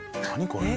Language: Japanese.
これ。